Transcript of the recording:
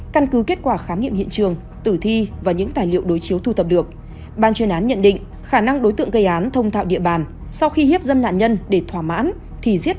căn cứ kết quả khám nghiệm hiện trường tử thi và những tài liệu đối chiếu thu thập được ban chuyên án nhận định khả năng đối tượng gây án thông thạo địa bàn sau khi hiếp dâm nạn nhân để thỏa mãn thì giết người